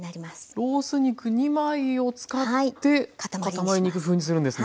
ロース肉２枚を使って塊肉風にするんですね。